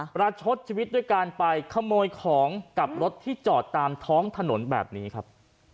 ประชดชีวิตด้วยการไปขโมยของกับรถที่จอดตามท้องถนนแบบนี้ครับ